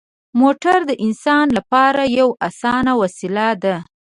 موټر د انسان لپاره یوه اسانه وسیله ده.